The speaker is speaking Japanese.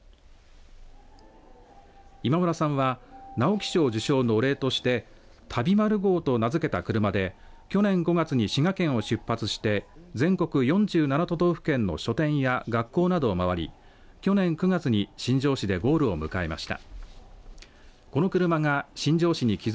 今村さんは直木賞受賞のお礼としてたび丸号と名付けた車で去年５月に滋賀県を出発して全国４７都道府県の書店や学校などを回り去年９月に新庄市でゴールを迎えました。